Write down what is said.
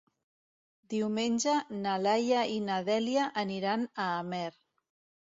Diumenge na Laia i na Dèlia aniran a Amer.